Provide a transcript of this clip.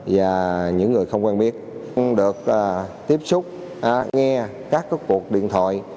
và những người không quen biết cũng được tiếp xúc nghe các cuộc điện thoại